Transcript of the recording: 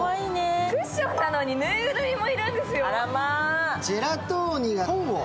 クッションなのに、ぬいぐるみもいるんですよ。